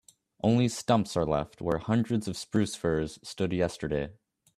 Only stumps are left where hundreds of spruce firs stood yesterday.